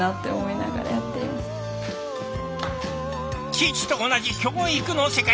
父と同じ教育の世界へ。